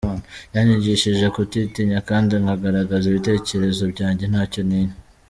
Yanyigishije kutitinya kandi nkagaragaza ibitekerezo byanjye ntacyo ntinya.